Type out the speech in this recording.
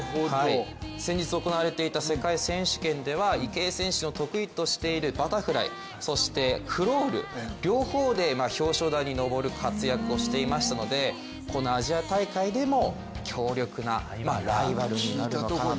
先日行われていた世界選手権では池江選手の得意としているバタフライそしてクロール、両方で表彰台に上る活躍をしていましたので、このアジア大会でも強力なライバルになるのかなと。